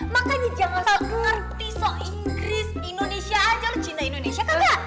makanya jangan ngerti so inggris indonesia aja lo cinta indonesia kan gak